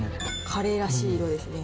カレーらしい色ですね。